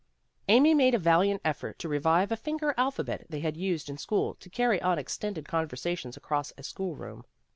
Amy made a valiant effort to revive a finger alphabet they had used in school to carry on extended conversations across a school room.